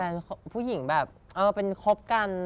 ผู้หญิงแบบเออเป็นคบกัน